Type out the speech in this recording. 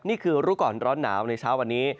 นี่คือรู้ก่อนร้อนหนาวในเช้าวันนี้